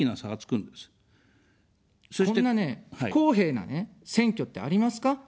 こんなね、不公平なね、選挙ってありますか。